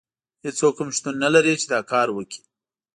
هیڅوک هم شتون نه لري چې دا کار وکړي.